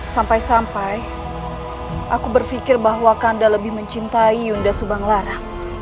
sampai sampai aku berpikir bahwa kanda lebih mencintai unda subang lara